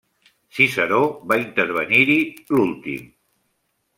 Ciceró va intervenir-hi l’últim.